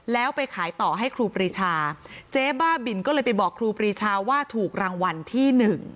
แล้วไปขายต่อให้ครูปรีชาเจ๊บ้าบินก็เลยไปบอกครูปรีชาว่าถูกรางวัลที่๑